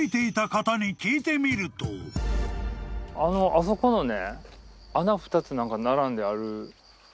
あそこのね。